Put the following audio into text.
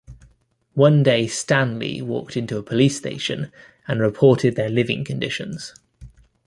One day Stanley walked into a police station and reported their living conditions.